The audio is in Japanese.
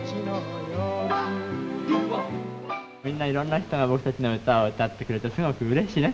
みんないろんな人が僕たちの歌を歌ってくれてすごくうれしいね。